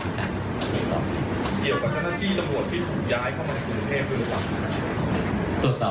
เกี่ยวกับหน้าที่ที่ถูกย้ายเข้ามาสรุปเทพฯหรือเปล่า